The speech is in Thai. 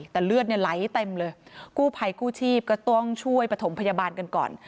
แต่เลือดเนี่ยไหลเต็มเลยกู้ภัยกู้ชีพก็ต้องช่วยประถมพยาบาลกันก่อน